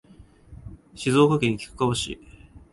静岡県菊川市